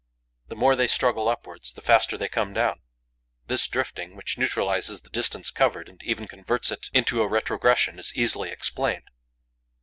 The more they struggle upwards, the faster they come down. This drifting, which neutralizes the distance covered and even converts it into a retrogression, is easily explained.